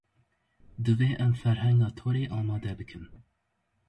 Divê em ferhenga torê amade bikin.